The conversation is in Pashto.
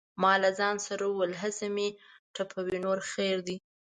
ما له ځانه سره وویل: هسې مې ټپوي نور خیر دی.